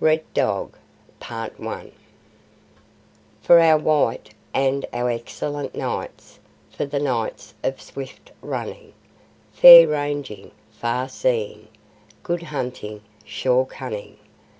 RED DOG For our white and our excellent nights for the nights of swift running. Fair ranging, far seeing, good hunting, sure cunning!